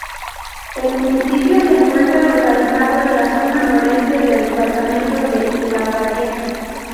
El municipio se encuentra localizado en la zona noroeste del departamento de Lavalleja.